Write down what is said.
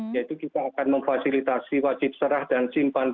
yaitu kita akan memfasilitasi wajib serah dan simpan